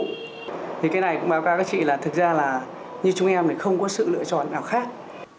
thì cái này cũng báo cáo các chị là thực ra là như chúng em thì không có sự lựa chọn nào khác